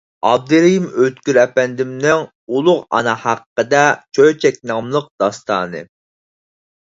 ئابدۇرېھىم ئۆتكۈر ئەپەندىمنىڭ «ئۇلۇغ ئانا ھەققىدە چۆچەك» ناملىق داستانى.